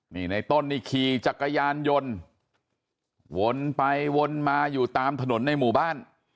นี่ในต้นนี่ขี่จักรยานยนต์วนไปวนมาอยู่ตามถนนในหมู่บ้าน